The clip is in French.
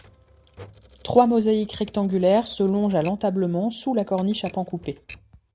Trois mosaïques rectangulaires se longent à l'entablement sous la corniche à pans coupés.